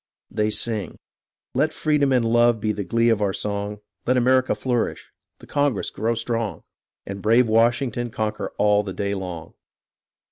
[They sing] Let freedom and love be the glee of our song ; Let America flourish — the Congress grow strong ; And brave Washington conqueror all the day long.